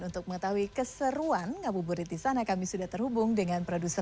untuk mengetahui keseruan ngabuburit di sana kami sudah terhubung dengan produser